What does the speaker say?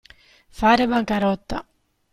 Fare bancarotta.